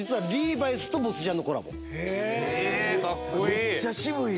めっちゃ渋いやん。